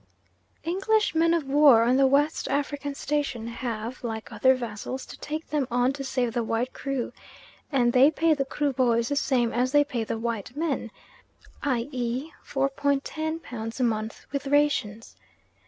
English men of war on the West African Station have, like other vessels to take them on to save the white crew, and they pay the Kruboys the same as they pay the white men, i.e., 4 pounds 10s. a month with rations.